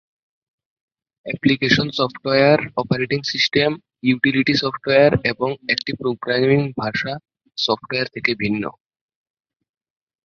Application software operating system, utility software, এবং একটি programming ভাষা সফটওয়্যার থেকে ভিন্ন।